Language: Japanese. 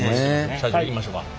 社長いきましょうか。